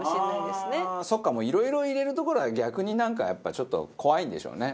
そうかもういろいろ入れるところは逆になんかやっぱりちょっと怖いんでしょうね。